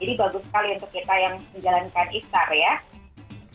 jadi bagus sekali untuk kita yang menjalankan itu